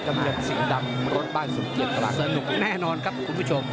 น้ำเงินสีดำรถบ้านสมเกียจตราสนุกแน่นอนครับคุณผู้ชม